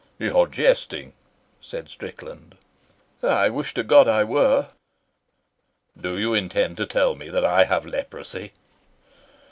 "You are jesting," said Strickland. "I wish to God I were." "Do you intend to tell me that I have leprosy?"